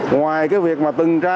ngoài cái việc mà từng ra